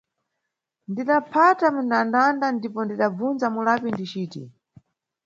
Ndidaphata m, ndandanda ndipo ndidabvunza mulapi ndiciti.